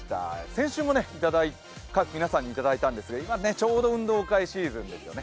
先週も皆さんにいただいたんですけれどもちょうど運動会シーズンですよね。